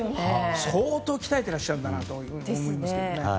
相当鍛えてらっしゃるんだなと思いますね。